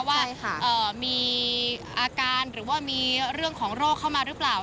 ว่ามีอาการหรือว่ามีเรื่องของโรคเข้ามาหรือเปล่า